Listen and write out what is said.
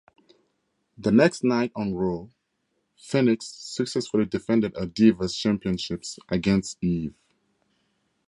The next night on "Raw", Phoenix successfully defended her Divas Championship against Eve.